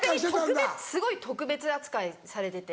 逆にすごい特別扱いされてて。